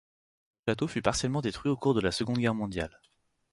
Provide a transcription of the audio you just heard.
Ce château fut partiellement détruit au cours de la Seconde Guerre mondiale.